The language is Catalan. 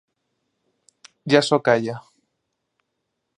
Ja s'ho calla.